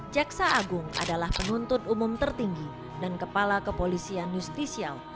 jaksa agung adalah penuntut umum tertinggi dan kepala kepolisian justisial